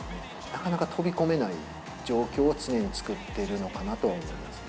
なかなか飛び込めない状況を常に作っているのかなと思います。